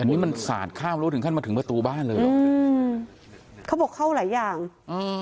อันนี้มันสาดข้ามรู้ถึงขั้นมาถึงประตูบ้านเลยอืมเขาบอกเข้าหลายอย่างอืม